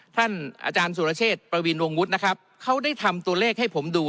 ท่านอาจารย์สุรเชษฐ์ประวินวงวุฒินะครับเขาได้ทำตัวเลขให้ผมดู